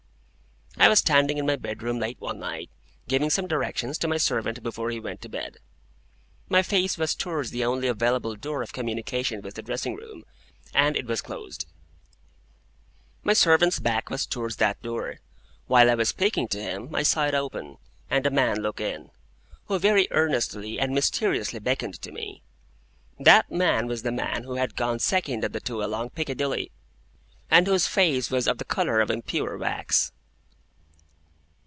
I was standing in my bedroom late one night, giving some directions to my servant before he went to bed. My face was towards the only available door of communication with the dressing room, and it was closed. My servant's back was towards that door. While I was speaking to him, I saw it open, and a man look in, who very earnestly and mysteriously beckoned to me. That man was the man who had gone second of the two along Piccadilly, and whose face was of the colour of impure wax.